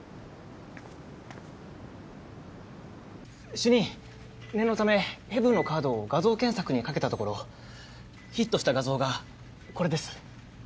主任念のためヘヴンのカードを画像検索にかけたところヒットした画像がこれです。